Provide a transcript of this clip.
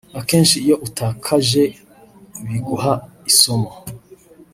"Akenshi iyo utakaje biguha isomo